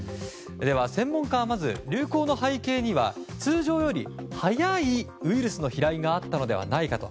専門家はまず、流行の背景には通常より早いウイルスの飛来があったのではという